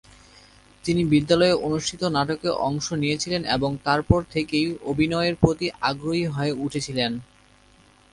তিনি বিদ্যালয়ে অনুষ্ঠিত নাটকে অংশ নিয়েছিলেন এবং তারপর থেকেই অভিনয়ের প্রতি আগ্রহী হয়ে উঠেছিলেন।